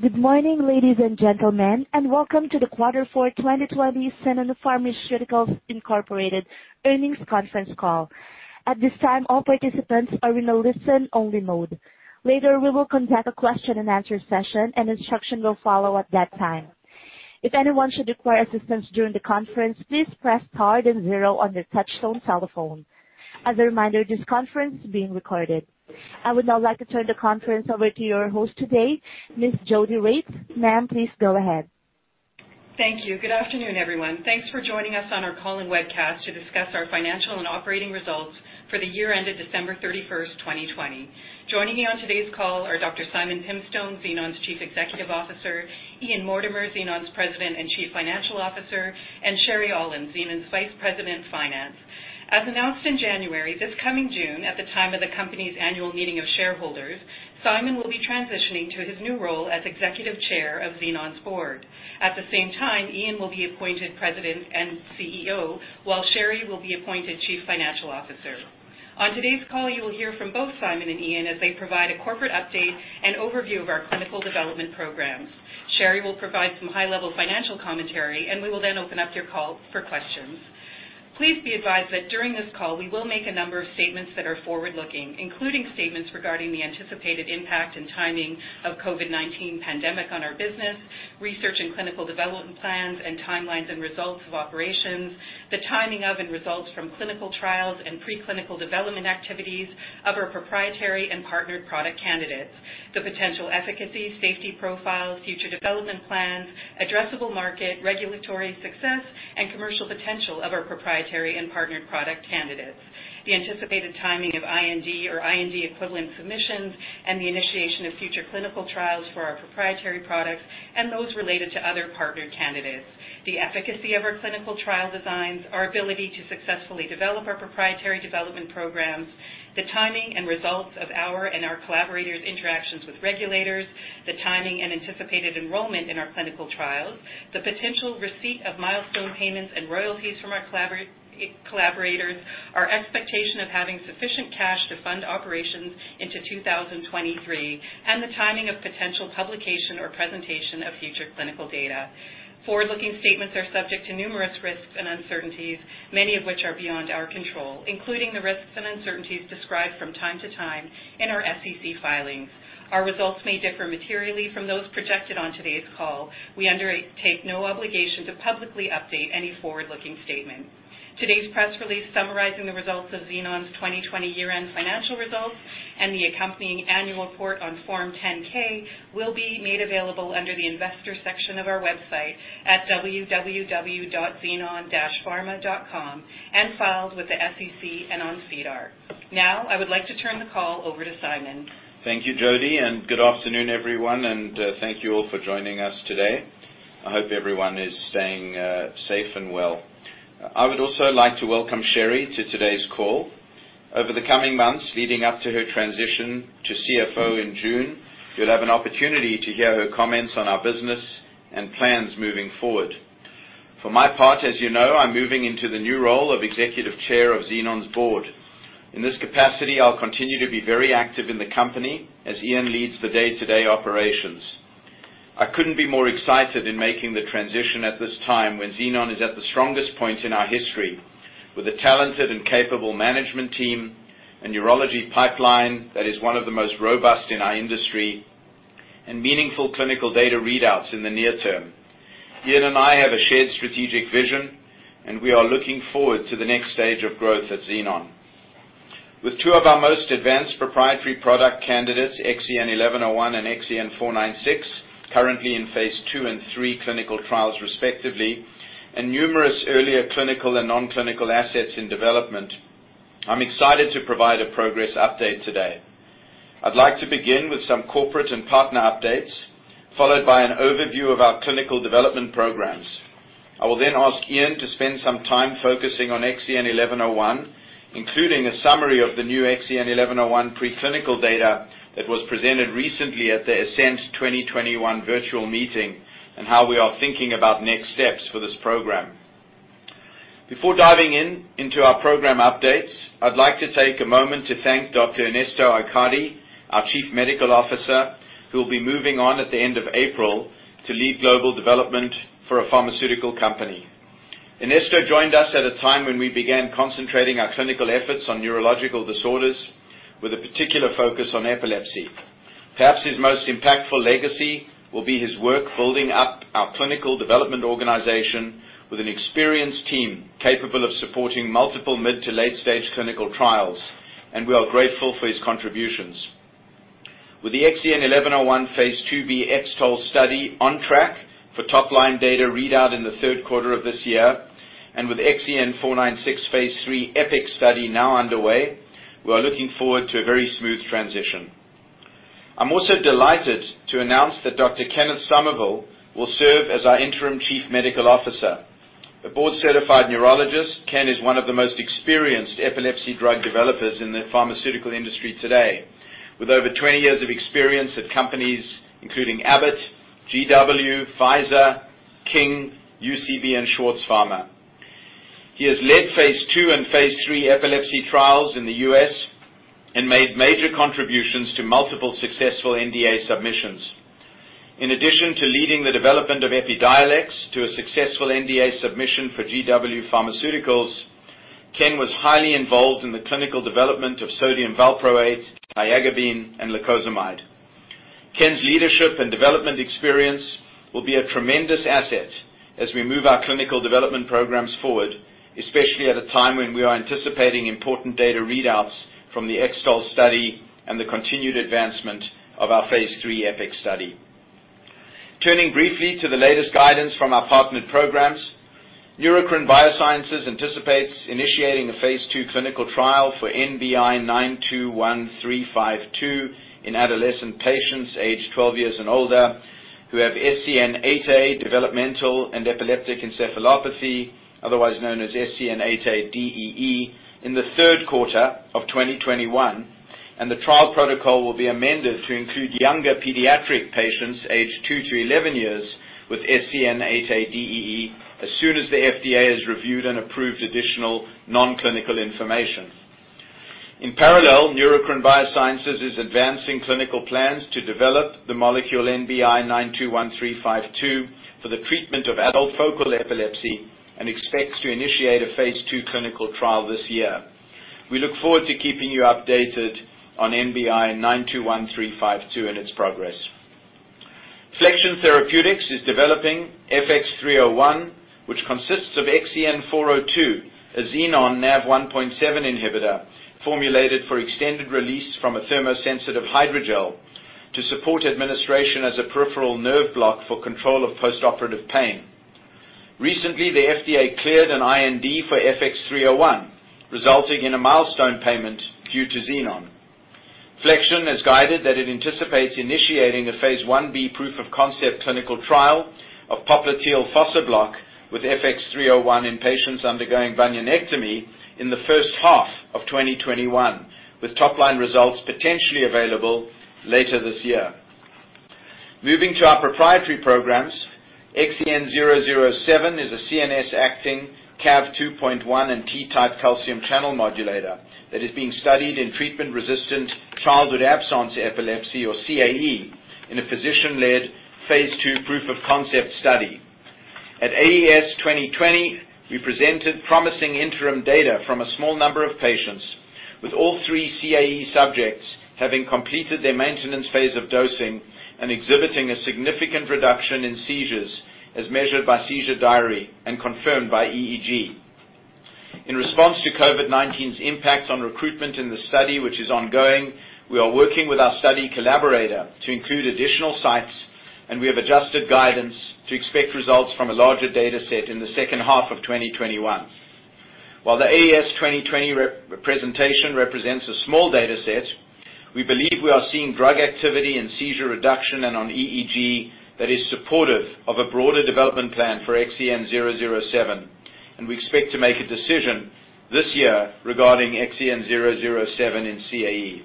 Good morning, ladies and gentlemen, and welcome to the Quarter 4 2020 Xenon Pharmaceuticals Inc. earnings conference call. I would now like to turn the conference over to your host today, Ms. Jodi Regts. Ma'am, please go ahead. Thank you. Good afternoon, everyone. Thanks for joining us on our call and webcast to discuss our financial and operating results for the year ended December 31st, 2020. Joining me on today's call are Dr. Simon Pimstone, Xenon's Chief Executive Officer; Ian Mortimer, Xenon's President and Chief Financial Officer; and Sherry Aulin, Xenon's Vice President, Finance. As announced in January, this coming June, at the time of the company's annual meeting of shareholders, Simon will be transitioning to his new role as Executive Chair of Xenon's board. At the same time, Ian will be appointed President and CEO, while Sherry will be appointed Chief Financial Officer. On today's call, you will hear from both Simon and Ian as they provide a corporate update and overview of our clinical development programs. Sherry will provide some high-level financial commentary. We will then open up your call for questions. Please be advised that during this call, we will make a number of statements that are forward-looking, including statements regarding the anticipated impact and timing of COVID-19 pandemic on our business, research and clinical development plans and timelines and results of operations, the timing of and results from clinical trials and preclinical development activities of our proprietary and partnered product candidates, the potential efficacy, safety profiles, future development plans, addressable market, regulatory success, and commercial potential of our proprietary and partnered product candidates. The anticipated timing of IND or IND equivalent submissions and the initiation of future clinical trials for our proprietary products and those related to other partnered candidates. The efficacy of our clinical trial designs, our ability to successfully develop our proprietary development programs, the timing and results of our and our collaborators' interactions with regulators, the timing and anticipated enrollment in our clinical trials, the potential receipt of milestone payments and royalties from our collaborators, our expectation of having sufficient cash to fund operations into 2023, and the timing of potential publication or presentation of future clinical data. Forward-looking statements are subject to numerous risks and uncertainties, many of which are beyond our control, including the risks and uncertainties described from time to time in our SEC filings. Our results may differ materially from those projected on today's call. We undertake no obligation to publicly update any forward-looking statement. Today's press release summarizing the results of Xenon's 2020 year-end financial results and the accompanying annual report on Form 10-K will be made available under the Investors section of our website at www.xenon-pharma.com and filed with the SEC and on SEDAR. I would like to turn the call over to Simon. Thank you, Jodi. Good afternoon, everyone, and thank you all for joining us today. I hope everyone is staying safe and well. I would also like to welcome Sherry to today's call. Over the coming months, leading up to her transition to CFO in June, you'll have an opportunity to hear her comments on our business and plans moving forward. For my part, as you know, I'm moving into the new role of Executive Chair of Xenon's board. In this capacity, I'll continue to be very active in the company as Ian leads the day-to-day operations. I couldn't be more excited in making the transition at this time when Xenon is at the strongest point in our history with a talented and capable management team, a neurology pipeline that is one of the most robust in our industry, and meaningful clinical data readouts in the near term. Ian and I have a shared strategic vision, and we are looking forward to the next stage of growth at Xenon. With two of our most advanced proprietary product candidates, XEN1101 and XEN496, currently in Phase II and III clinical trials, respectively, and numerous earlier clinical and non-clinical assets in development, I'm excited to provide a progress update today. I'd like to begin with some corporate and partner updates, followed by an overview of our clinical development programs. I will then ask Ian to spend some time focusing on XEN1101, including a summary of the new XEN1101 preclinical data that was presented recently at the ASENT 2021 virtual meeting and how we are thinking about next steps for this program. Before diving into our program updates, I'd like to take a moment to thank Dr. Ernesto Aycardi, our Chief Medical Officer, who will be moving on at the end of April to lead global development for a pharmaceutical company. Ernesto joined us at a time when we began concentrating our clinical efforts on neurological disorders with a particular focus on epilepsy. Perhaps his most impactful legacy will be his work building up our clinical development organization with an experienced team capable of supporting multiple mid to late-stage clinical trials. We are grateful for his contributions. With the XEN1101 phase IIb X-TOLE study on track for top-line data readout in the third quarter of this year, with XEN496 phase III EPPIC study now underway, we are looking forward to a very smooth transition. I'm also delighted to announce that Dr. Christopher Kenney will serve as our interim Chief Medical Officer. A board-certified neurologist, Ken is one of the most experienced epilepsy drug developers in the pharmaceutical industry today. With over 20 years of experience at companies including Abbott, GW, Pfizer, King, UCB, and Schwarz Pharma. He has led phase II and phase III epilepsy trials in the U.S. and made major contributions to multiple successful NDA submissions. In addition to leading the development of EPIDIOLEX to a successful NDA submission for GW Pharmaceuticals, Ken was highly involved in the clinical development of sodium valproate, tiagabine, and lacosamide. Ken's leadership and development experience will be a tremendous asset as we move our clinical development programs forward, especially at a time when we are anticipating important data readouts from the X-TOLE study and the continued advancement of our phase III EPPIC study. Turning briefly to the latest guidance from our partnered programs, Neurocrine Biosciences anticipates initiating a phase II clinical trial for NBI-921352 in adolescent patients aged 12 years and older who have SCN8A developmental and epileptic encephalopathy, otherwise known as SCN8A-DEE, in the third quarter of 2021. The trial protocol will be amended to include younger pediatric patients aged two-11 years with SCN8A-DEE as soon as the FDA has reviewed and approved additional non-clinical information. In parallel, Neurocrine Biosciences is advancing clinical plans to develop the molecule NBI-921352 for the treatment of adult focal epilepsy and expects to initiate a phase II clinical trial this year. We look forward to keeping you updated on NBI-921352 and its progress. Flexion Therapeutics is developing FX301, which consists of XEN402, a Xenon NaV1.7 inhibitor formulated for extended release from a thermosensitive hydrogel to support administration as a peripheral nerve block for control of postoperative pain. Recently, the FDA cleared an IND for FX301, resulting in a milestone payment due to Xenon. Flexion has guided that it anticipates initiating a phase I-B proof of concept clinical trial of popliteal fossa block with FX301 in patients undergoing bunionectomy in the first half of 2021, with top-line results potentially available later this year. Moving to our proprietary programs, XEN007 is a CNS-acting Cav2.1 and T-type calcium channel modulator that is being studied in treatment-resistant childhood absence epilepsy, or CAE, in a physician-led phase II proof of concept study. At AES 2020, we presented promising interim data from a small number of patients with all three CAE subjects having completed their maintenance phase of dosing and exhibiting a significant reduction in seizures as measured by seizure diary and confirmed by EEG. We have adjusted guidance to expect results from a larger data set in the second half of 2021. The AES 2020 presentation represents a small data set, we believe we are seeing drug activity and seizure reduction on EEG that is supportive of a broader development plan for XEN007, and we expect to make a decision this year regarding XEN007 in CAE.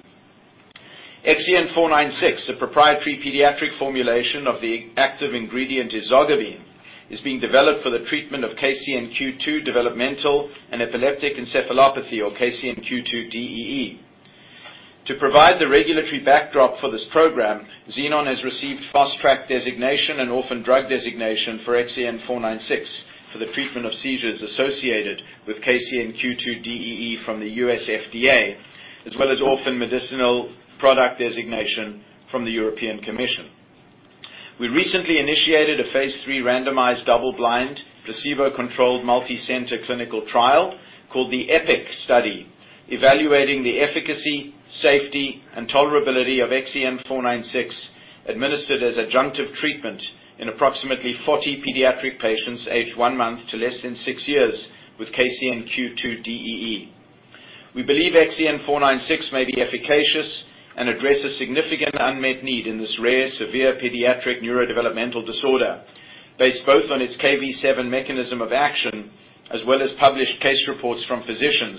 XEN496, a proprietary pediatric formulation of the active ingredient ezogabine, is being developed for the treatment of KCNQ2 developmental and epileptic encephalopathy or KCNQ2-DEE. To provide the regulatory backdrop for this program, Xenon has received Fast Track designation and Orphan Drug Designation for XEN496 for the treatment of seizures associated with KCNQ2-DEE from the U.S. FDA, as well as Orphan Medicinal Product Designation from the European Commission. We recently initiated a phase III randomized double-blind, placebo-controlled, multicenter clinical trial called the EPPIC study, evaluating the efficacy, safety, and tolerability of XEN496 administered as adjunctive treatment in approximately 40 pediatric patients aged one month to less than six years with KCNQ2-DEE. We believe XEN496 may be efficacious and address a significant unmet need in this rare, severe pediatric neurodevelopmental disorder based both on its Kv7 mechanism of action as well as published case reports from physicians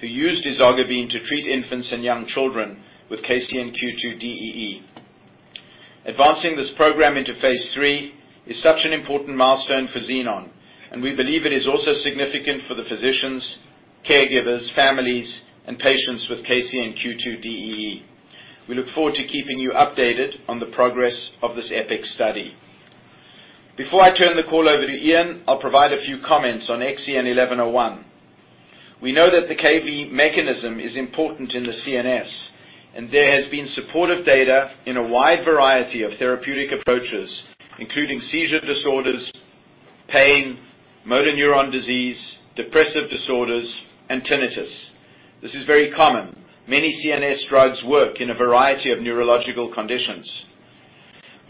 who used ezogabine to treat infants and young children with KCNQ2-DEE. Advancing this program into phase III is such an important milestone for Xenon, and we believe it is also significant for the physicians, caregivers, families, and patients with KCNQ2-DEE. We look forward to keeping you updated on the progress of this EPPIC study. Before I turn the call over to Ian, I'll provide a few comments on XEN1101. We know that the Kv mechanism is important in the CNS, and there has been supportive data in a wide variety of therapeutic approaches, including seizure disorders, pain, motor neuron disease, depressive disorders, and tinnitus. This is very common. Many CNS drugs work in a variety of neurological conditions.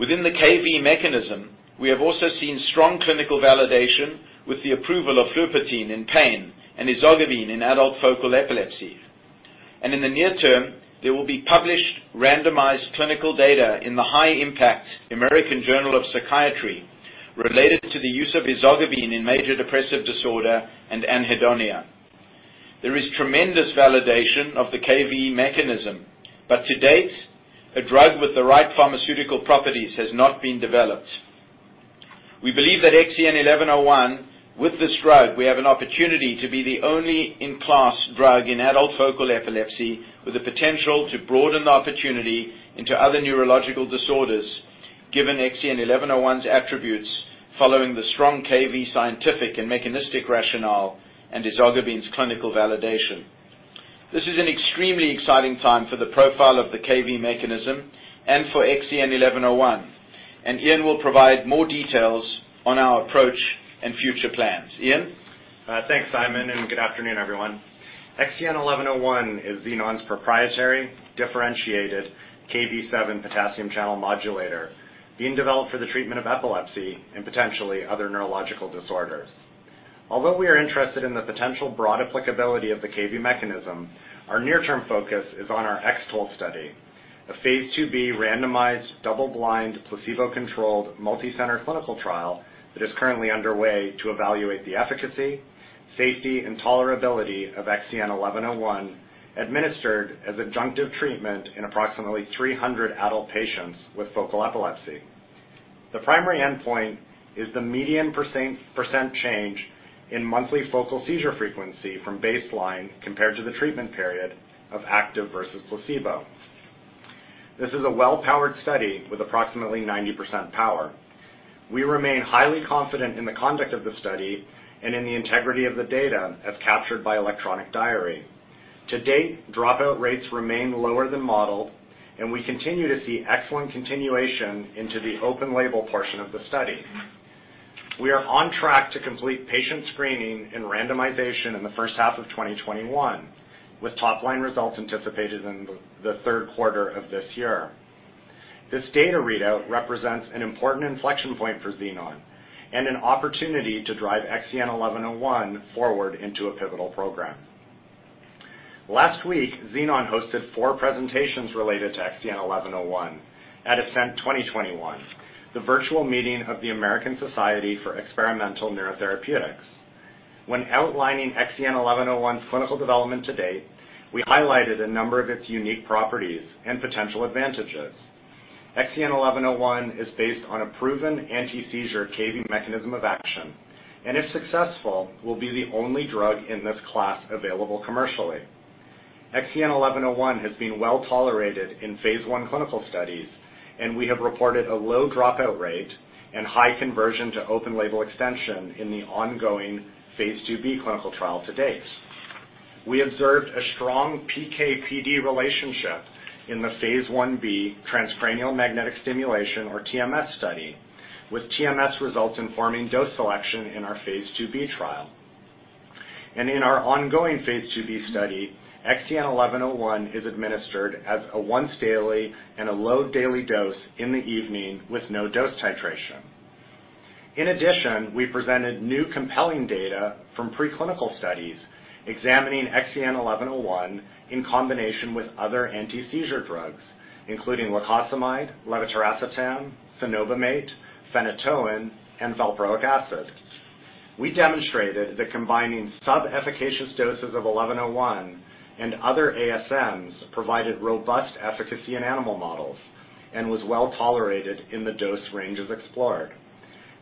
Within the Kv mechanism, we have also seen strong clinical validation with the approval of flupirtine in pain and ezogabine in adult focal epilepsy. In the near term, there will be published randomized clinical data in the high-impact American Journal of Psychiatry related to the use of ezogabine in major depressive disorder and anhedonia. There is tremendous validation of the Kv mechanism. To date, a drug with the right pharmaceutical properties has not been developed. We believe that XEN1101, with this drug, we have an opportunity to be the only in-class drug in adult focal epilepsy with the potential to broaden the opportunity into other neurological disorders given XEN1101's attributes following the strong Kv scientific and mechanistic rationale and ezogabine's clinical validation. This is an extremely exciting time for the profile of the Kv mechanism and for XEN1101. Ian will provide more details on our approach and future plans. Ian? Thanks, Simon. Good afternoon, everyone. XEN1101 is Xenon's proprietary differentiated Kv7 potassium channel modulator being developed for the treatment of epilepsy and potentially other neurological disorders. Although we are interested in the potential broad applicability of the Kv mechanism, our near-term focus is on our X-TOLE study, a phase IIb randomized double-blind placebo-controlled multicenter clinical trial that is currently underway to evaluate the efficacy, safety, and tolerability of XEN1101 administered as adjunctive treatment in approximately 300 adult patients with focal epilepsy. The primary endpoint is the median % change in monthly focal seizure frequency from baseline compared to the treatment period of active versus placebo. This is a well-powered study with approximately 90% power. We remain highly confident in the conduct of the study and in the integrity of the data as captured by electronic diary. To date, dropout rates remain lower than modeled, and we continue to see excellent continuation into the open-label portion of the study. We are on track to complete patient screening and randomization in the first half of 2021, with top-line results anticipated in the third quarter of this year. This data readout represents an important inflection point for Xenon and an opportunity to drive XEN1101 forward into a pivotal program. Last week, Xenon hosted four presentations related to XEN1101 at ASENT 2021, the virtual meeting of the American Society for Experimental Neurotherapeutics. When outlining XEN1101's clinical development to date, we highlighted a number of its unique properties and potential advantages. XEN1101 is based on a proven anti-seizure Kv mechanism of action, and if successful, will be the only drug in this class available commercially. XEN1101 has been well-tolerated in Phase I clinical studies, and we have reported a low dropout rate and high conversion to open label extension in the ongoing Phase IIb clinical trial to date. We observed a strong PK/PD relationship in the Phase I-B transcranial magnetic stimulation or TMS study, with TMS results informing dose selection in our Phase IIb trial. In our ongoing Phase IIb study, XEN1101 is administered as a once daily and a low daily dose in the evening with no dose titration. In addition, we presented new compelling data from preclinical studies examining XEN1101 in combination with other anti-seizure drugs, including lacosamide, levetiracetam, cenobamate, phenytoin, and valproic acid. We demonstrated that combining sub-efficacious doses of 1101 and other ASMs provided robust efficacy in animal models and was well-tolerated in the dose ranges explored.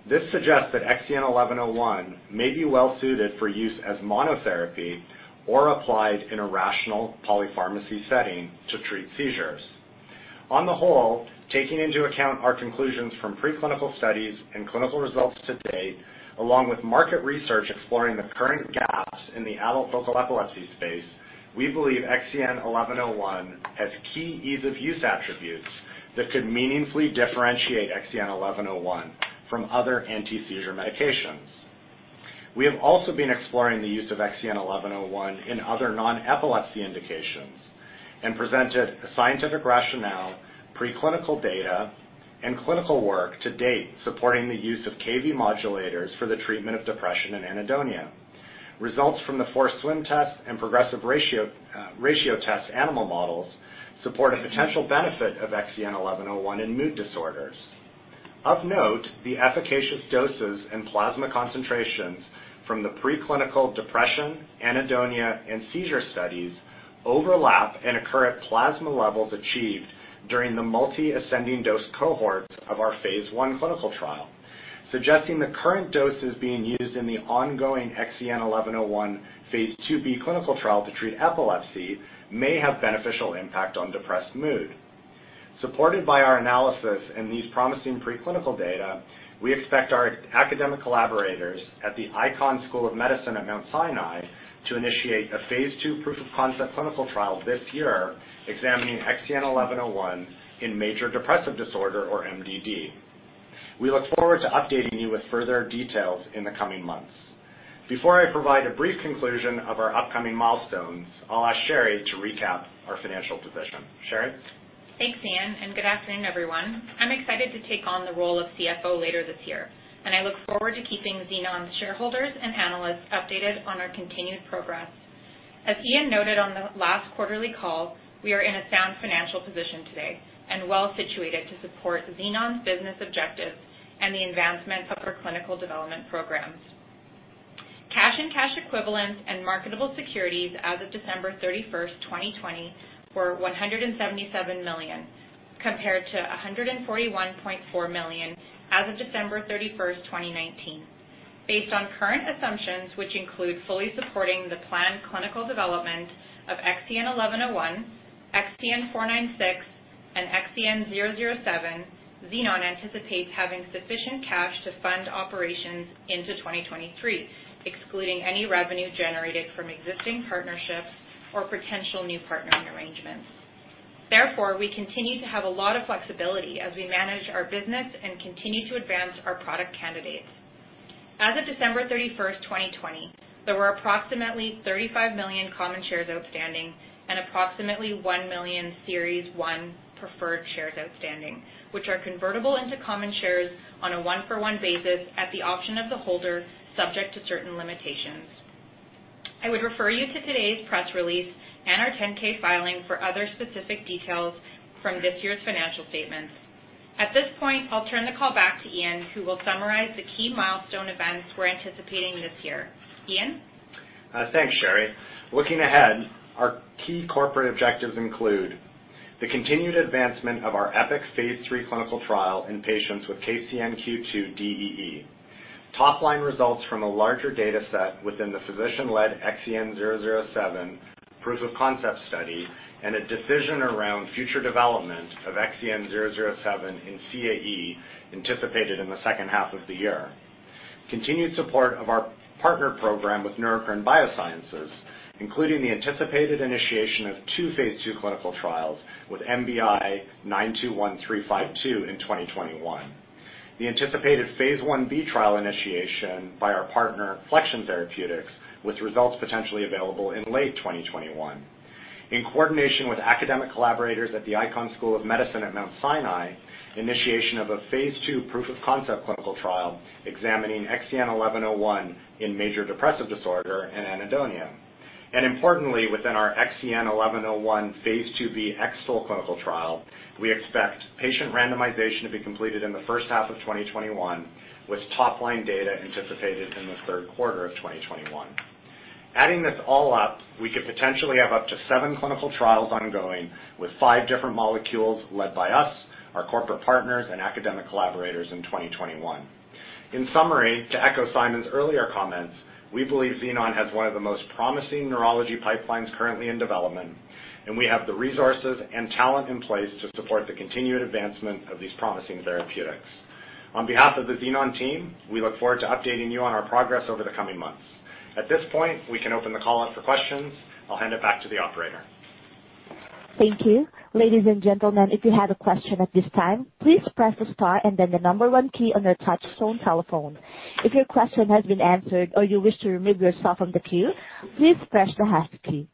This suggests that XEN1101 may be well-suited for use as monotherapy or applied in a rational polypharmacy setting to treat seizures. On the whole, taking into account our conclusions from preclinical studies and clinical results to date, along with market research exploring the current gaps in the adult focal epilepsy space, we believe XEN1101 has key ease-of-use attributes that could meaningfully differentiate XEN1101 from other anti-seizure medications. We have also been exploring the use of XEN1101 in other non-epilepsy indications and presented a scientific rationale, preclinical data, and clinical work to date supporting the use of Kv modulators for the treatment of depression and anhedonia. Results from the forced swim test and progressive ratio test animal models support a potential benefit of XEN1101 in mood disorders. Of note, the efficacious doses and plasma concentrations from the preclinical depression, anhedonia, and seizure studies overlap and occur at plasma levels achieved during the multi-ascending dose cohorts of our phase I clinical trial. Suggesting the current doses being used in the ongoing XEN1101 phase II-B clinical trial to treat epilepsy may have beneficial impact on depressed mood. Supported by our analysis and these promising preclinical data, we expect our academic collaborators at the Icahn School of Medicine at Mount Sinai to initiate a phase II proof of concept clinical trial this year examining XEN1101 in major depressive disorder or MDD. We look forward to updating you with further details in the coming months. Before I provide a brief conclusion of our upcoming milestones, I'll ask Sherry to recap our financial position. Sherry? Thanks, Ian. Good afternoon, everyone. I'm excited to take on the role of Stifel later this year, and I look forward to keeping Xenon shareholders and analysts updated on our continued progress. As Ian noted on the last quarterly call, we are in a sound financial position today and well situated to support Xenon's business objectives and the advancement of our clinical development programs. Cash and cash equivalents and marketable securities as of December 31st, 2020 were $177 million, compared to $141.4 million as of December 31st, 2019. Based on current assumptions, which include fully supporting the planned clinical development of XEN1101, XEN496, and XEN007, Xenon anticipates having sufficient cash to fund operations into 2023, excluding any revenue generated from existing partnerships or potential new partnering arrangements. Therefore, we continue to have a lot of flexibility as we manage our business and continue to advance our product candidates. As of December 31st, 2020, there were approximately 35 million common shares outstanding and approximately 1 million Series 1 Preferred Shares outstanding, which are convertible into common shares on a one-for-one basis at the option of the holder, subject to certain limitations. I would refer you to today's press release and our 10-K filing for other specific details from this year's financial statements. At this point, I'll turn the call back to Ian, who will summarize the key milestone events we're anticipating this year. Ian? Thanks, Sherry. Looking ahead, our key corporate objectives include the continued advancement of our EPPIC phase III trial in patients with KCNQ2-DEE. Top-line results from a larger data set within the physician-led XEN007 proof-of-concept study and a decision around future development of XEN007 in CAE anticipated in the second half of the year. Continued support of our partner program with Neurocrine Biosciences, including the anticipated initiation of two phase II clinical trials with NBI-921352 in 2021. The anticipated phase I-B trial initiation by our partner, Flexion Therapeutics, with results potentially available in late 2021. In coordination with academic collaborators at the Icahn School of Medicine at Mount Sinai, initiation of a phase II proof-of-concept clinical trial examining XEN1101 in major depressive disorder and anhedonia. Importantly, within our XEN1101 Phase IIb X-TOLE clinical trial, we expect patient randomization to be completed in the first half of 2021, with top-line data anticipated in the third quarter of 2021. Adding this all up, we could potentially have up to seven clinical trials ongoing with five different molecules led by us, our corporate partners, and academic collaborators in 2021. In summary, to echo Simon's earlier comments, we believe Xenon has one of the most promising neurology pipelines currently in development, and we have the resources and talent in place to support the continued advancement of these promising therapeutics. On behalf of the Xenon team, we look forward to updating you on our progress over the coming months. At this point, we can open the call up for questions. I'll hand it back to the operator. Thank you. Ladies and gentlemen, if you have a question at this time, please press star and then the number 1 key on your touchtone telephone. If your question has been answered or you wish to remove yourself from the queue, please press the hash key.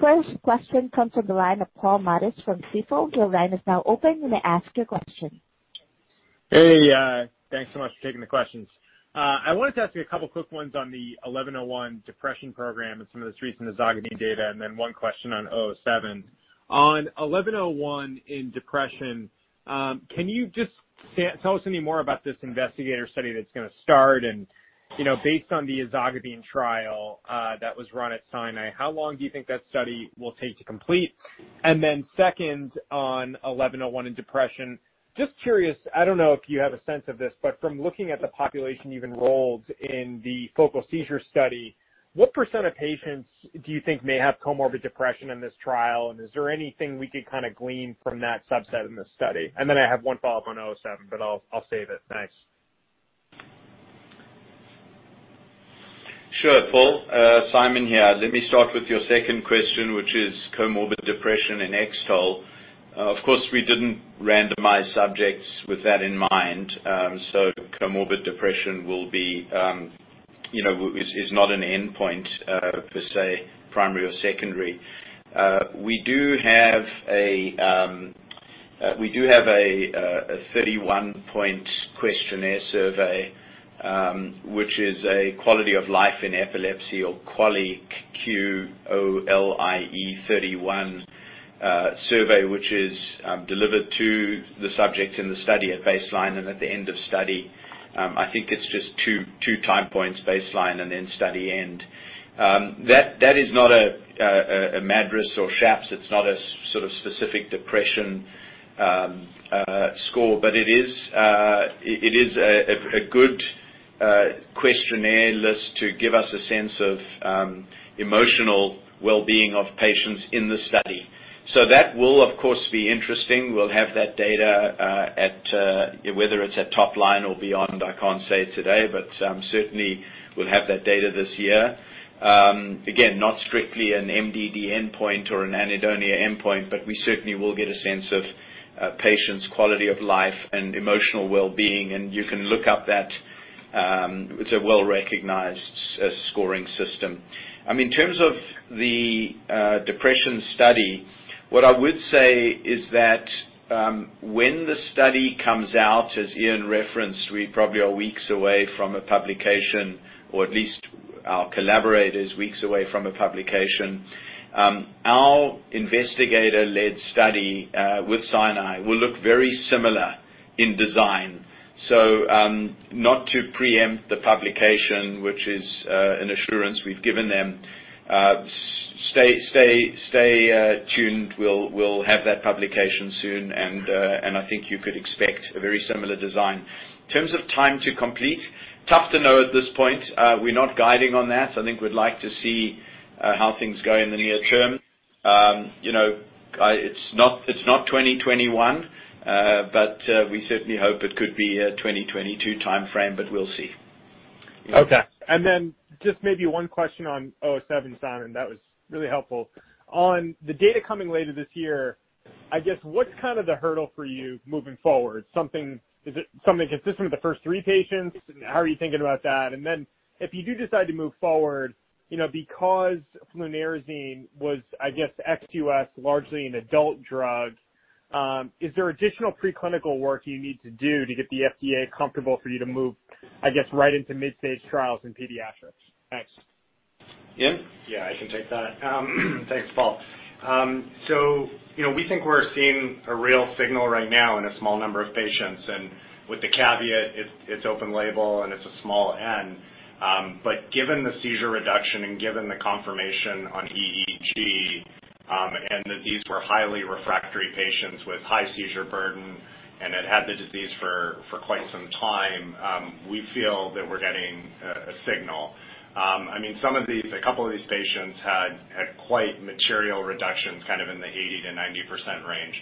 First question comes from the line of Paul Matteis from Stifel. Your line is now open. You may ask your question. Hey. Thanks so much for taking the questions. I wanted to ask you a couple of quick ones on the XEN1101 depression program and some of this recent ezogabine data, then one question on XEN007. On XEN1101 in depression, can you just tell us any more about this investigator study that's going to start and, based on the ezogabine trial that was run at Mount Sinai, how long do you think that study will take to complete? Second on XEN1101 in depression, just curious, I don't know if you have a sense of this, but from looking at the population you've enrolled in the focal seizure study, what % of patients do you think may have comorbid depression in this trial? Is there anything we could glean from that subset in this study? I have one follow-up on XEN007, but I'll save it. Thanks. Sure, Paul. Simon here. Let me start with your second question, which is comorbid depression in X-TOLE. Of course, we didn't randomize subjects with that in mind. Comorbid depression is not an endpoint, per se, primary or secondary. We do have a 31-point questionnaire survey, which is a quality of life in epilepsy or QOLIE-31 survey, which is delivered to the subject in the study at baseline and at the end of study. I think it's just two time points, baseline and then study end. That is not a MADRS or SHAPS. It's not a sort of specific depression score, it is a good questionnaire list to give us a sense of emotional wellbeing of patients in the study. That will, of course, be interesting. We'll have that data. Whether it's at top line or beyond, I can't say today, but certainly we'll have that data this year. Not strictly an MDD endpoint or an anhedonia endpoint, but we certainly will get a sense of a patient's quality of life and emotional wellbeing, and you can look up that. It's a well-recognized scoring system. In terms of the depression study, what I would say is that when the study comes out, as Ian referenced, we probably are weeks away from a publication, or at least our collaborators weeks away from a publication. Our investigator-led study with Sinai will look very similar in design. Not to preempt the publication, which is an assurance we've given them, stay tuned. We'll have that publication soon, and I think you could expect a very similar design. In terms of time to complete, tough to know at this point. We're not guiding on that. I think we'd like to see how things go in the near term. It's not 2021, but we certainly hope it could be a 2022 timeframe, but we'll see. Okay. Just maybe one question on XEN007, Simon. That was really helpful. On the data coming later this year, I guess, what's the hurdle for you moving forward? Is it something consistent with the first three patients? How are you thinking about that? If you do decide to move forward, because flunarizine was, I guess, ex-U.S., largely an adult drug, is there additional preclinical work you need to do to get the FDA comfortable for you to move, I guess, right into mid-stage trials in pediatrics? Thanks. Ian? Yeah, I can take that. Thanks, Paul. We think we're seeing a real signal right now in a small number of patients, and with the caveat, it's open label and it's a small n. Given the seizure reduction and given the confirmation on EEG, and that these were highly refractory patients with high seizure burden and had had the disease for quite some time, we feel that we're getting a signal. A couple of these patients had quite material reductions, kind of in the 80%-90% range.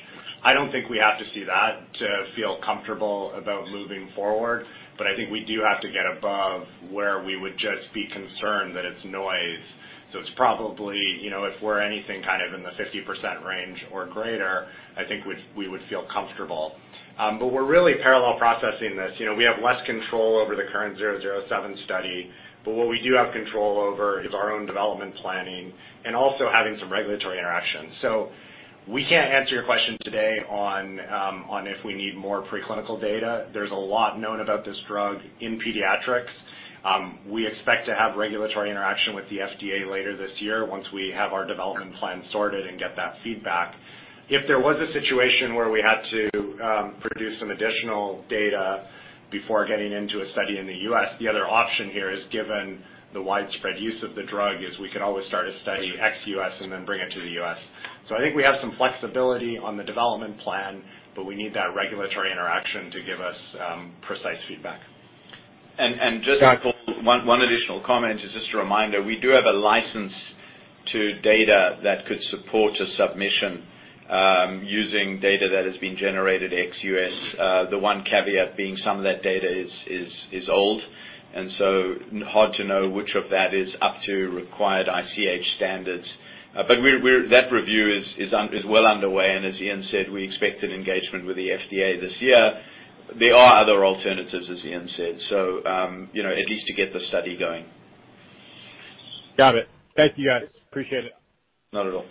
I don't think we have to see that to feel comfortable about moving forward, but I think we do have to get above where we would just be concerned that it's noise. It's probably, if we're anything in the 50% range or greater, I think we would feel comfortable. We're really parallel processing this. We have less control over the current XEN007 study, but what we do have control over is our own development planning and also having some regulatory interaction. We can't answer your question today on if we need more preclinical data. There's a lot known about this drug in pediatrics. We expect to have regulatory interaction with the FDA later this year once we have our development plan sorted and get that feedback. If there was a situation where we had to produce some additional data before getting into a study in the U.S., the other option here is given the widespread use of the drug, is we could always start a study ex-U.S. and then bring it to the U.S. I think we have some flexibility on the development plan, but we need that regulatory interaction to give us precise feedback. Just one additional comment is just a reminder. We do have a license to data that could support a submission using data that has been generated ex-U.S. The one caveat being some of that data is old, and so hard to know which of that is up to required ICH standards. That review is well underway, and as Ian said, we expect an engagement with the FDA this year. There are other alternatives, as Ian said. At least to get the study going. Got it. Thank you, guys. Appreciate it. Not at all.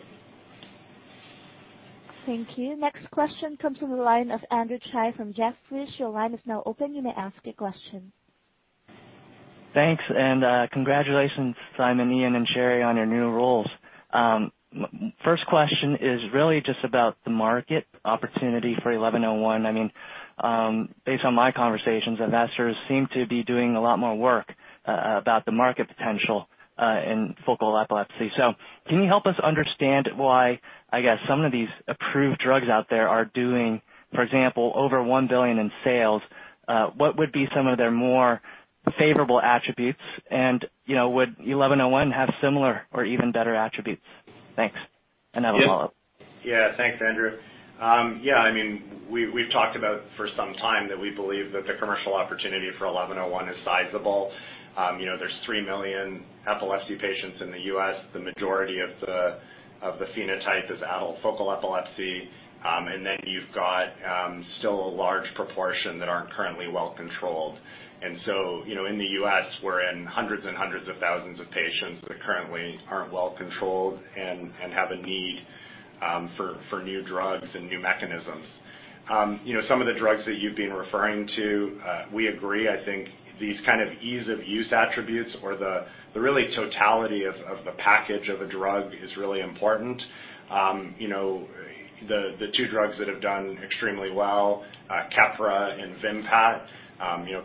Thank you. Next question comes from the line of Andrew Tsai from Jefferies. Your line is now open. You may ask a question. Thanks, and congratulations, Simon, Ian, and Sherry, on your new roles. First question is really just about the market opportunity for 1101. Based on my conversations, investors seem to be doing a lot more work about the market potential in focal epilepsy. Can you help us understand why, I guess, some of these approved drugs out there are doing, for example, over $1 billion in sales. What would be some of their more favorable attributes? Would 1101 have similar or even better attributes? Thanks. I have a follow-up. Yeah. Thanks, Andrew. We've talked about for some time that we believe that the commercial opportunity for XEN1101 is sizable. There's 3 million epilepsy patients in the U.S. The majority of the phenotype is adult focal epilepsy. You've got still a large proportion that aren't currently well controlled. In the U.S., we're in hundreds and hundreds of thousands of patients that currently aren't well controlled and have a need for new drugs and new mechanisms. Some of the drugs that you've been referring to, we agree. I think these kind of ease-of-use attributes or the really totality of the package of a drug is really important. The two drugs that have done extremely well, Keppra and Vimpat.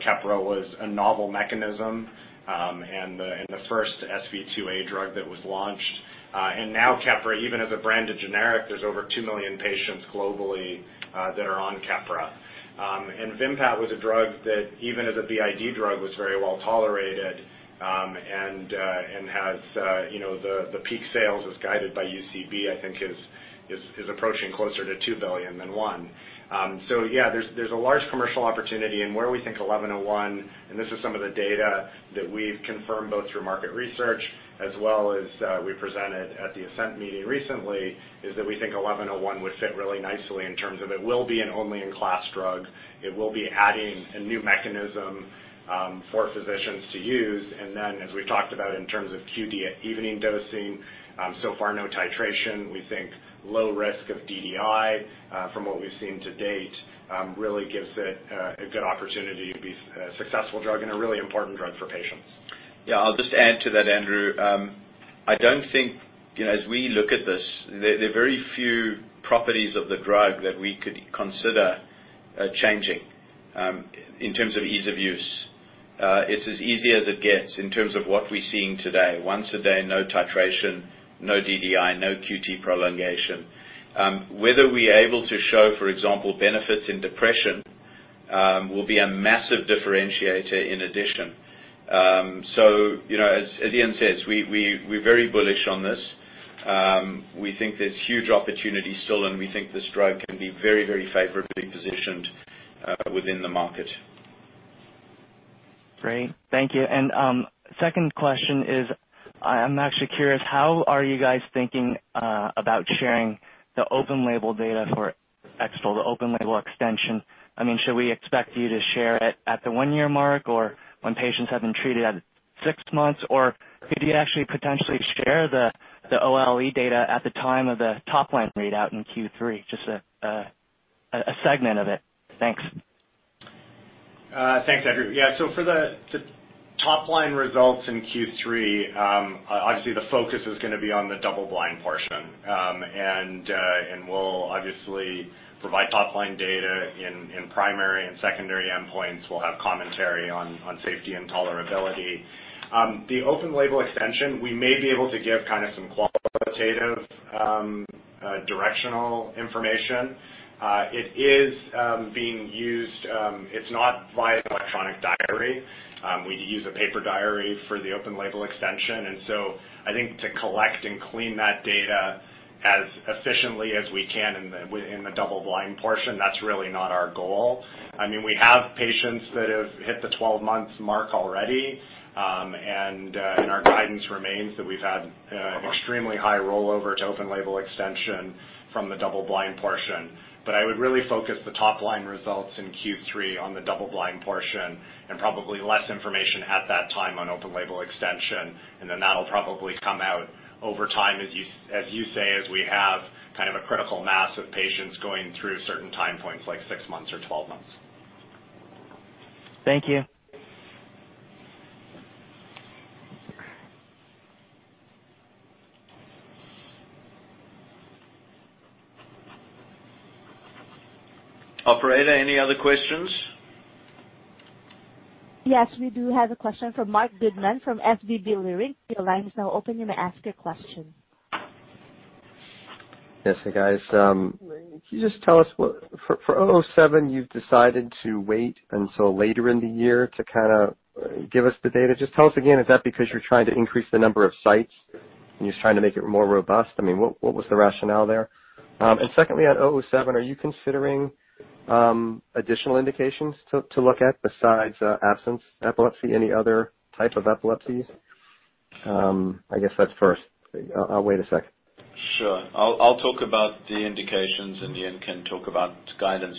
Keppra was a novel mechanism, and the first SV2A drug that was launched. Now Keppra, even as a branded generic, there's over 2 million patients globally that are on Keppra. Vimpat was a drug that even as a BID drug was very well tolerated and has the peak sales as guided by UCB, I think is approaching closer to $2 billion than $1 billion. Yeah, there's a large commercial opportunity. Where we think 1101, and this is some of the data that we've confirmed both through market research as well as we presented at the ASENT meeting recently, is that we think 1101 would fit really nicely in terms of it will be an only-in-class drug. It will be adding a new mechanism for physicians to use. Then as we've talked about in terms of QD evening dosing, so far no titration. We think low risk of DDI from what we've seen to date really gives it a good opportunity to be a successful drug and a really important drug for patients. Yeah, I'll just add to that, Andrew. I don't think, as we look at this, there are very few properties of the drug that we could consider changing in terms of ease of use. It's as easy as it gets in terms of what we're seeing today. Once a day, no titration, no DDI, no QT prolongation. Whether we are able to show, for example, benefits in depression, will be a massive differentiator in addition. As Ian says, we're very bullish on this. We think there's huge opportunity still, and we think this drug can be very favorably positioned within the market. Great. Thank you. Second question is, I'm actually curious, how are you guys thinking about sharing the open label data for X-TOLE, the open label extension? Should we expect you to share it at the one-year mark, or when patients have been treated at six months? Could you actually potentially share the OLE data at the time of the top-line readout in Q3, just a segment of it? Thanks. Thanks, Andrew. Yeah. For the top-line results in Q3, obviously the focus is going to be on the double-blind portion. We'll obviously provide top-line data in primary and secondary endpoints. We'll have commentary on safety and tolerability. The open label extension, we may be able to give some qualitative directional information. It is being used. It's not via electronic diary. We use a paper diary for the open label extension. I think to collect and clean that data as efficiently as we can in the double-blind portion, that's really not our goal. We have patients that have hit the 12-month mark already, and our guidance remains that we've had an extremely high rollover to open label extension from the double-blind portion. I would really focus the top-line results in Q3 on the double-blind portion and probably less information at that time on open label extension. That'll probably come out over time, as you say, as we have a critical mass of patients going through certain time points, like six months or 12 months. Thank you. Operator, any other questions? Yes, we do have a question from Marc Goodman from SVB Leerink. Your line is now open. You may ask your question. Yes. Hey, guys. Can you just tell us, for 007, you've decided to wait until later in the year to give us the data. Just tell us again, is that because you're trying to increase the number of sites and you're trying to make it more robust? What was the rationale there? Secondly, on 007, are you considering additional indications to look at besides absence epilepsy, any other type of epilepsy? I guess that's first. I'll wait a second. Sure. I'll talk about the indications, and Ian can talk about guidance.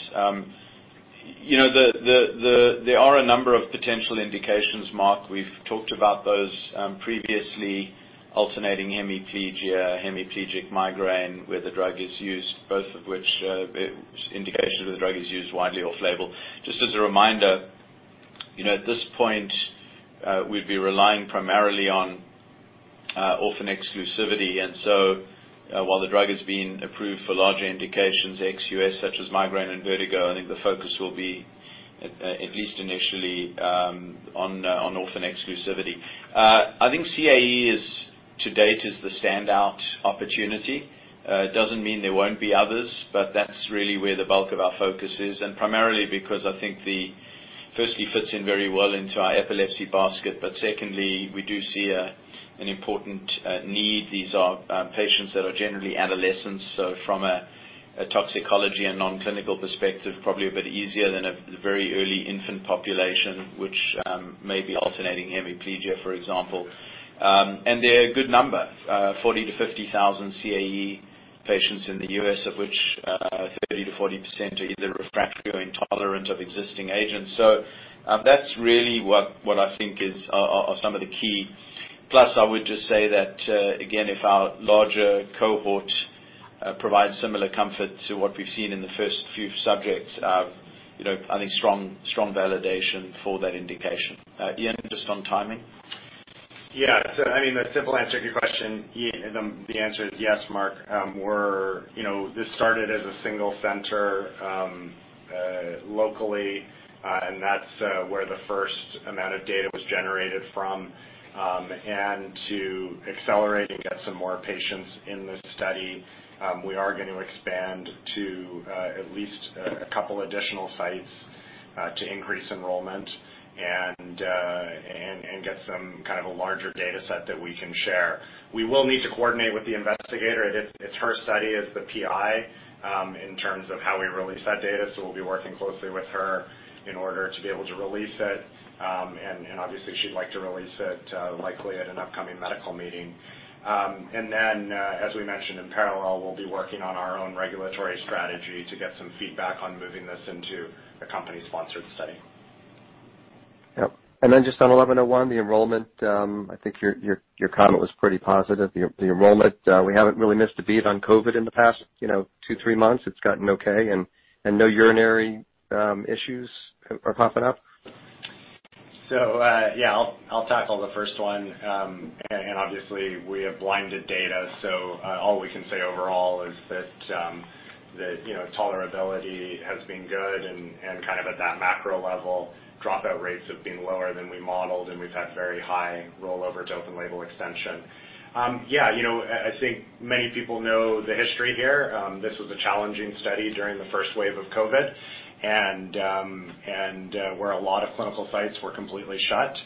There are a number of potential indications, Marc. We've talked about those previously, alternating hemiplegia, hemiplegic migraine, where the drug is used, both of which indications that the drug is used widely off label. Just as a reminder, at this point, we'd be relying primarily on orphan exclusivity. While the drug is being approved for larger indications, ex U.S. such as migraine and vertigo, I think the focus will be, at least initially, on orphan exclusivity. I think CAE to date is the standout opportunity. It doesn't mean there won't be others, but that's really where the bulk of our focus is, and primarily because I think it firstly fits in very well into our epilepsy basket. Secondly, we do see an important need. These are patients that are generally adolescents, so from a toxicology and non-clinical perspective, probably a bit easier than a very early infant population, which may be alternating hemiplegia, for example. They're a good number, 40,000-50,000 CAE patients in the U.S., of which 30%-40% are either refractory or intolerant of existing agents. That's really what I think are some of the key. I would just say that, again, if our larger cohort provides similar comfort to what we've seen in the first few subjects, I think strong validation for that indication. Ian, just on timing. Yeah. The simple answer to your question, the answer is yes, Marc. This started as a single center locally, and that's where the first amount of data was generated from. To accelerate and get some more patients in this study, we are going to expand to at least a couple additional sites to increase enrollment and get a larger data set that we can share. We will need to coordinate with the investigator. It's her study as the PI in terms of how we release that data, so we'll be working closely with her in order to be able to release it. Obviously she'd like to release it likely at an upcoming medical meeting. Then, as we mentioned, in parallel, we'll be working on our own regulatory strategy to get some feedback on moving this into a company-sponsored study. Yep. Just on XEN1101, the enrollment, I think your comment was pretty positive. The enrollment, we haven't really missed a beat on COVID-19 in the past two, three months. It's gotten okay, and no urinary issues are popping up? Yeah, I'll tackle the first one. Obviously we have blinded data, so all we can say overall is that tolerability has been good and at that macro level, dropout rates have been lower than we modeled, and we've had very high rollover to open-label extension. I think many people know the history here. This was a challenging study during the first wave of COVID, where a lot of clinical sites were completely shut.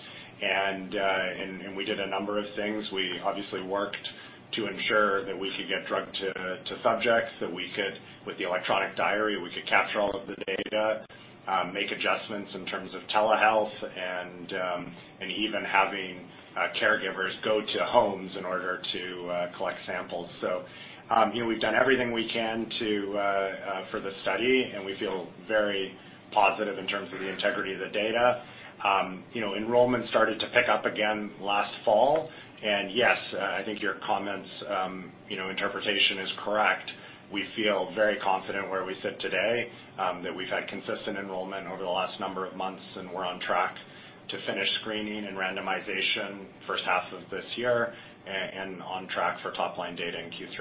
We did a number of things. We obviously worked to ensure that we could get drug to subjects, that with the electronic diary, we could capture all of the data, make adjustments in terms of telehealth, and even having caregivers go to homes in order to collect samples. We've done everything we can for the study, and we feel very positive in terms of the integrity of the data. Enrollment started to pick up again last fall. Yes, I think your comments' interpretation is correct. We feel very confident where we sit today, that we've had consistent enrollment over the last number of months and we're on track to finish screening and randomization first half of this year and on track for top line data in Q3.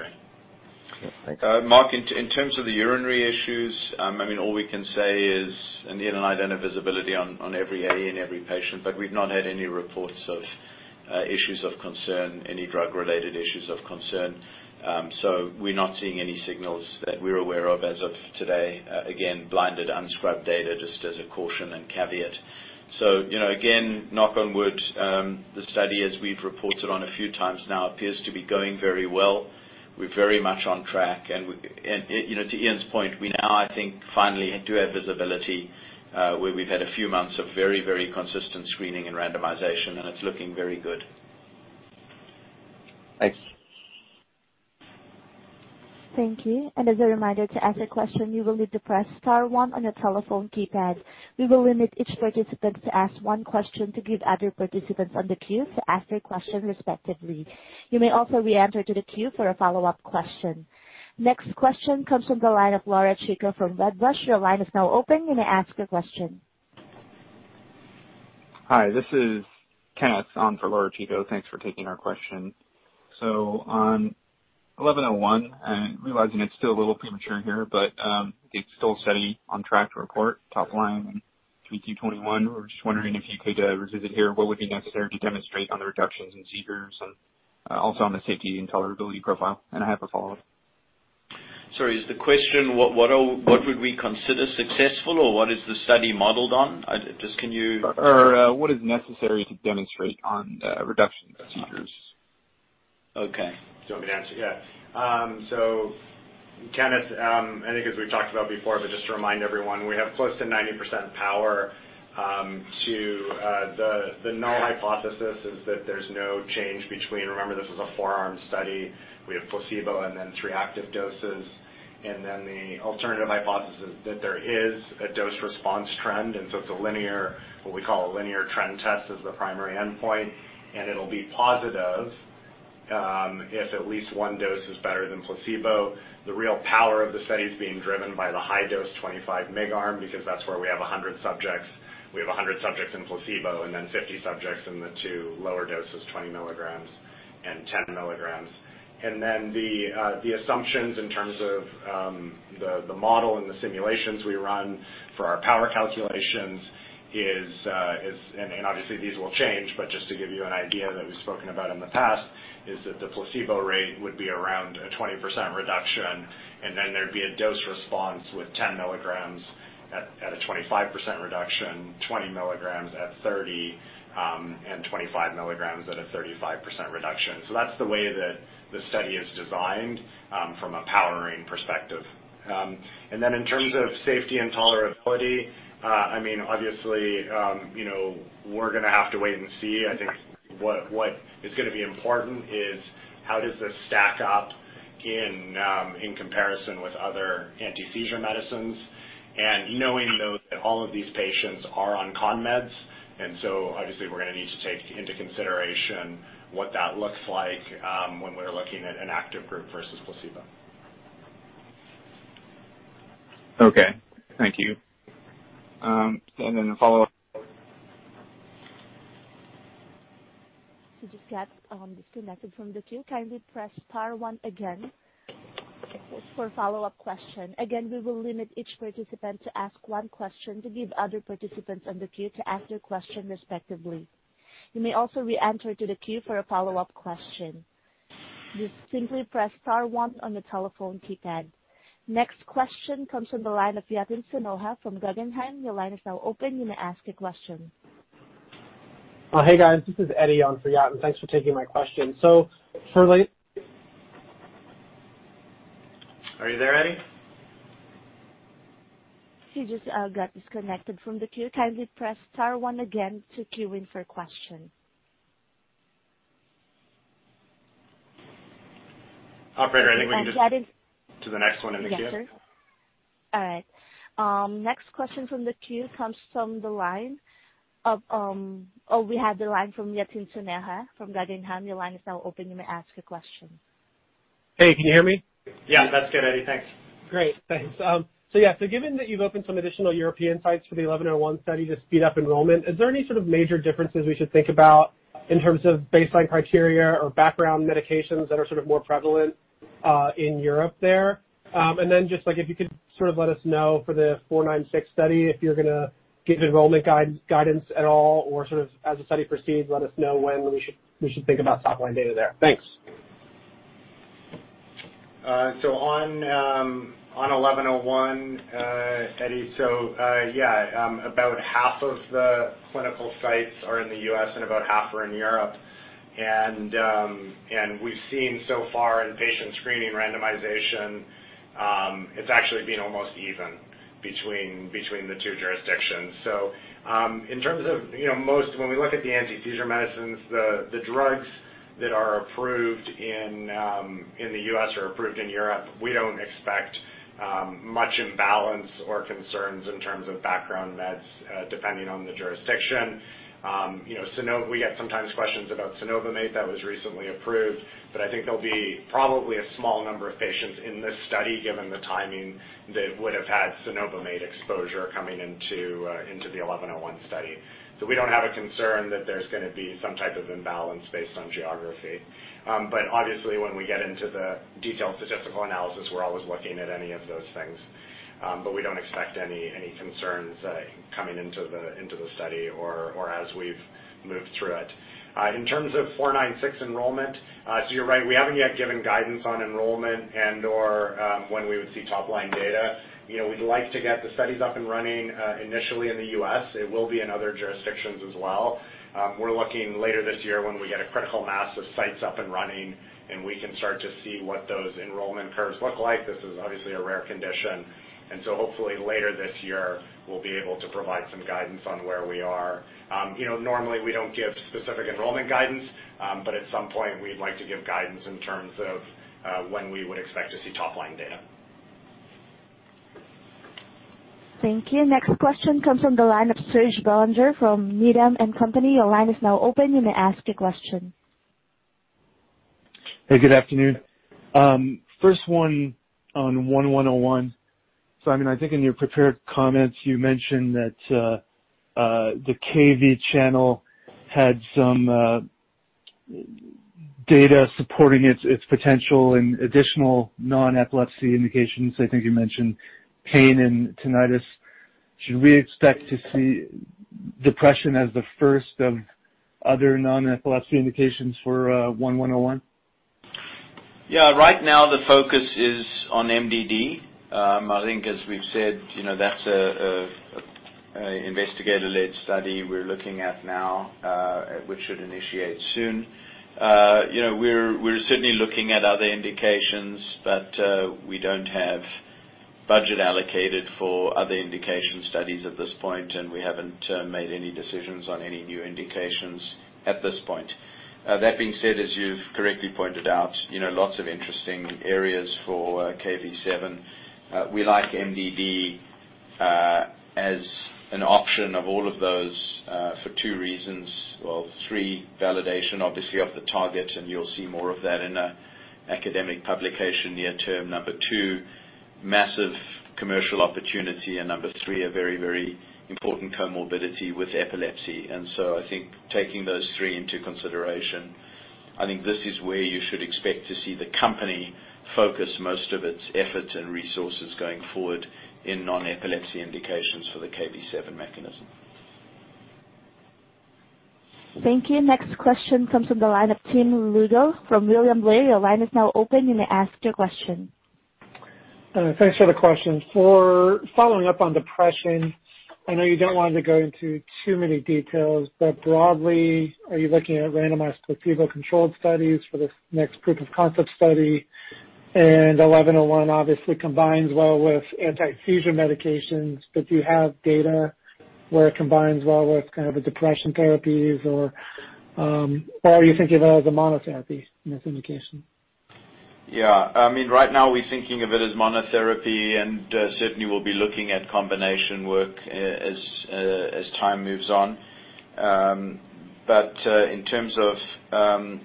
Okay. Thanks. Marc, in terms of the urinary issues, all we can say is, and Ian and I don't have visibility on every AE and every patient, but we've not had any reports of issues of concern, any drug-related issues of concern. We're not seeing any signals that we're aware of as of today. Again, blinded, unscrubbed data just as a caution and caveat. Again, knock on wood, the study, as we've reported on a few times now, appears to be going very well. We're very much on track. To Ian's point, we now, I think, finally do have visibility where we've had a few months of very consistent screening and randomization, and it's looking very good. Thanks. Thank you. Next question comes from the line of Laura Chico from Wedbush. Hi, this is Kenneth on for Laura Chico. Thanks for taking our question. On 1101, and realizing it's still a little premature here, but is Still Study on track to report top line in 3Q 2021? We're just wondering if you could revisit here what would be necessary to demonstrate on the reductions in seizures and also on the safety and tolerability profile. I have a follow-up. Sorry, is the question what would we consider successful or what is the study modeled on? What is necessary to demonstrate on the reduction of seizures? Okay. Do you want me to answer? Yeah. Kenneth, I think as we've talked about before, but just to remind everyone, we have close to 90% power to the null hypothesis is that there's no change between, remember, this is a four-arm study. We have placebo and then three active doses, and then the alternative hypothesis that there is a dose response trend. It's what we call a linear trend test as the primary endpoint, and it'll be positive if at least one dose is better than placebo. The real power of the study is being driven by the high dose 25 mg arm, because that's where we have 100 subjects. We have 100 subjects in placebo and then 50 subjects in the two lower doses, 20 mg and 10 mg. The assumptions in terms of the model and the simulations we run for our power calculations is, and obviously these will change, but just to give you an idea that we've spoken about in the past, is that the placebo rate would be around a 20% reduction, then there'd be a dose response with 10 mg at a 25% reduction, 20 mg at 30, and 25 mg at a 35% reduction. That's the way that the study is designed from a powering perspective. In terms of safety and tolerability, obviously we're going to have to wait and see. I think what is going to be important is how does this stack up in comparison with other anti-seizure medicines and knowing, though, that all of these patients are on con meds. Obviously we're going to need to take into consideration what that looks like when we're looking at an active group versus placebo. Okay. Thank you. The follow-up. He just got disconnected from the queue. Kindly press star one again for a follow-up question. Again, we will limit each participant to ask one question to give other participants on the queue to ask their question respectively. You may also re-enter to the queue for a follow-up question. Just simply press star one on your telephone keypad. Next question comes from the line of Yatin Suneja from Guggenheim. Your line is now open. You may ask a question. Oh, hey, guys. This is Eddie on for Yatin. Thanks for taking my question. Are you there, Eddie? He just got disconnected from the queue. Kindly press star one again to queue in for a question. Operator, I think we can. And that is- To the next one in the queue. Yes, sir. All right. Next question from the queue comes from the line of we have the line from Yatin Suneja from Guggenheim. Your line is now open. You may ask a question. Hey, can you hear me? Yeah, that's good, Eddie. Thanks. Great. Thanks. Yeah. Given that you've opened some additional European sites for the XEN1101 study to speed up enrollment, is there any sort of major differences we should think about in terms of baseline criteria or background medications that are sort of more prevalent in Europe there? Then just if you could sort of let us know for the XEN496 study, if you're going to give enrollment guidance at all or sort of as the study proceeds, let us know when we should think about top-line data there. Thanks. On XEN1101, Eddie, about half of the clinical sites are in the U.S. and about half are in Europe. We've seen so far in patient screening randomization, it's actually been almost even between the two jurisdictions. In terms of most, when we look at the anti-seizure medicines, the drugs that are approved in the U.S. or approved in Europe, we don't expect much imbalance or concerns in terms of background meds depending on the jurisdiction. We get sometimes questions about cenobamate that was recently approved, but I think there'll be probably a small number of patients in this study, given the timing that would have had cenobamate exposure coming into the XEN1101 study. We don't have a concern that there's going to be some type of imbalance based on geography. Obviously when we get into the detailed statistical analysis, we're always looking at any of those things. We don't expect any concerns coming into the study or as we've moved through it. In terms of 496 enrollment, so you're right, we haven't yet given guidance on enrollment and/or when we would see top-line data. We'd like to get the studies up and running initially in the U.S. It will be in other jurisdictions as well. We're looking later this year when we get a critical mass of sites up and running and we can start to see what those enrollment curves look like. This is obviously a rare condition, and so hopefully later this year, we'll be able to provide some guidance on where we are. Normally we don't give specific enrollment guidance, but at some point we'd like to give guidance in terms of when we would expect to see top-line data. Thank you. Next question comes from the line of Serge Belanger from Needham & Co. Your line is now open. You may ask a question. Hey, good afternoon. First one on 1101. I mean, I think in your prepared comments you mentioned that the Kv channel had some data supporting its potential in additional non-epilepsy indications. I think you mentioned pain and tinnitus. Should we expect to see depression as the first of other non-epilepsy indications for 1101? Right now the focus is on MDD. I think as we've said, that's an investigator-led study we're looking at now, which should initiate soon. We're certainly looking at other indications, but we don't have budget allocated for other indication studies at this point, and we haven't made any decisions on any new indications at this point. That being said, as you've correctly pointed out, lots of interesting areas for Kv7. We like MDD as an option of all of those for two reasons. Well, three. Validation, obviously, of the target, and you'll see more of that in an academic publication near term. Number two, massive commercial opportunity. Number three, a very important comorbidity with epilepsy. I think taking those three into consideration, I think this is where you should expect to see the company focus most of its effort and resources going forward in non-epilepsy indications for the Kv7 mechanism. Thank you. Next question comes from the line of Tim Lugo from William Blair. Your line is now open. You may ask your question. Thanks for the question. For following up on depression, I know you don't want to go into too many details, but broadly, are you looking at randomized placebo-controlled studies for this next proof of concept study? 1101 obviously combines well with anti-seizure medications, but do you have data where it combines well with kind of depression therapies, or are you thinking of it as a monotherapy in this indication? I mean, right now we're thinking of it as monotherapy, and certainly we'll be looking at combination work as time moves on. In terms of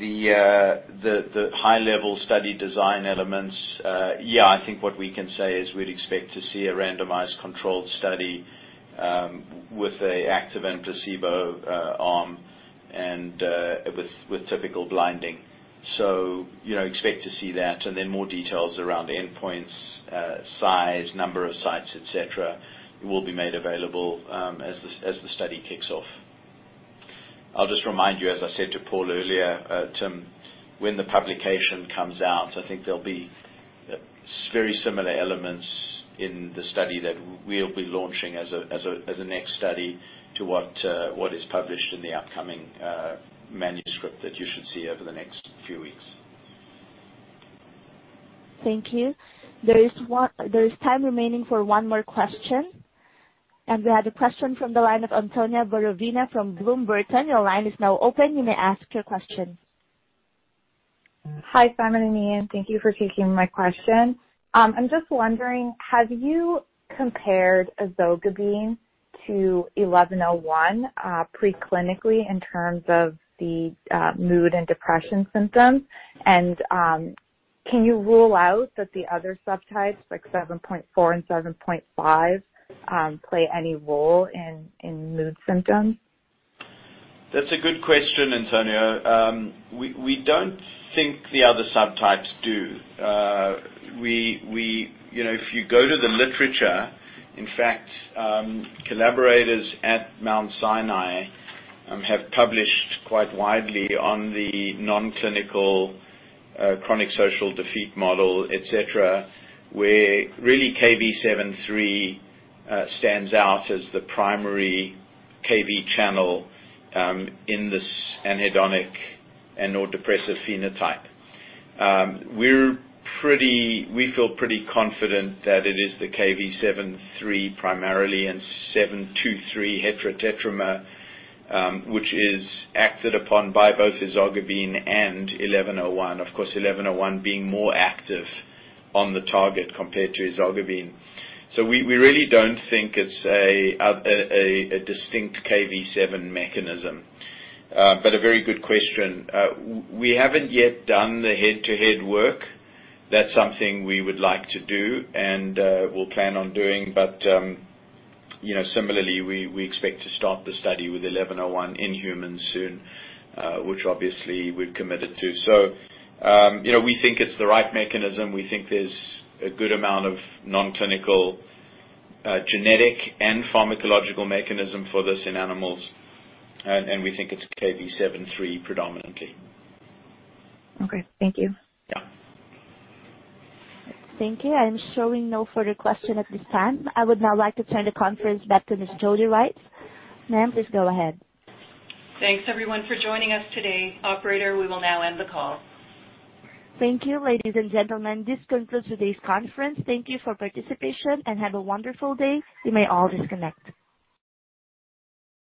the high-level study design elements, I think what we can say is we'd expect to see a randomized controlled study with an active and placebo arm and with typical blinding. Expect to see that, and then more details around the endpoints, size, number of sites, et cetera, will be made available as the study kicks off. I'll just remind you, as I said to Paul earlier, Tim, when the publication comes out, I think there'll be very similar elements in the study that we'll be launching as a next study to what is published in the upcoming manuscript that you should see over the next few weeks. Thank you. There is time remaining for one more question, and we have a question from the line of Antonia Borovina from Bloomberg. Your line is now open. You may ask your question. Hi, Simon and Ian. Thank you for taking my question. I'm just wondering, have you compared ezogabine to 1101 pre-clinically in terms of the mood and depression symptoms? Can you rule out that the other subtypes, like Kv7.4 and Kv7.5, play any role in mood symptoms? That's a good question, Antonia. We don't think the other subtypes do. If you go to the literature, in fact, collaborators at Mount Sinai have published quite widely on the non-clinical chronic social defeat model, et cetera, where really Kv7.3 stands out as the primary Kv channel in this anhedonic and/or depressive phenotype. We feel pretty confident that it is the Kv7.3 primarily and Kv7.2/7.3 heterotetramer which is acted upon by both ezogabine and XEN1101. Of course, XEN1101 being more active on the target compared to ezogabine. We really don't think it's a distinct Kv7 mechanism. A very good question. We haven't yet done the head-to-head work. That's something we would like to do and will plan on doing. Similarly, we expect to start the study with XEN1101 in humans soon, which obviously we've committed to. We think it's the right mechanism. We think there's a good amount of non-clinical genetic and pharmacological mechanism for this in animals, and we think it's Kv7.3 predominantly. Okay. Thank you. Yeah. Thank you. I'm showing no further question at this time. I would now like to turn the conference back to Ms. Jodi Regts. Ma'am, please go ahead. Thanks everyone for joining us today. Operator, we will now end the call. Thank you, ladies and gentlemen. This concludes today's conference. Thank you for participation and have a wonderful day. You may all disconnect.